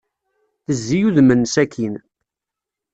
Tezzi udem-nnes akkin.